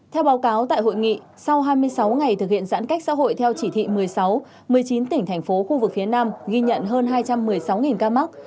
theo báo cáo tại hội nghị sau hai mươi sáu ngày thực hiện giãn cách xã hội theo chỉ thị một mươi sáu một mươi chín tỉnh thành phố khu vực phía nam ghi nhận hơn hai trăm một mươi sáu ca mắc